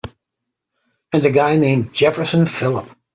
And a guy named Jefferson Phillip.